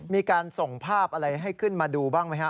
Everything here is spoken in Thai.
มีการส่งภาพอะไรให้ขึ้นมาดูบ้างไหมครับ